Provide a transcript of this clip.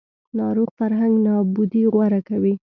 ناروغ فرهنګ نابودي غوره کوي